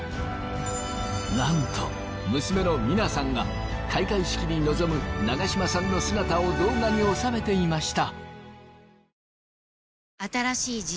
なんと娘の三奈さんが開会式に臨む長嶋さんの姿を動画に収めていました。